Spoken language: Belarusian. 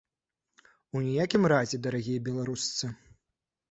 У ніякім разе, дарагія беларусцы!